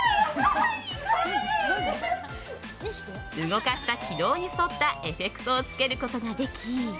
動かした軌道に沿ったエフェクトをつけることができ